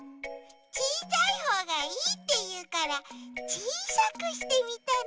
ちいさいほうがいいっていうからちいさくしてみたの。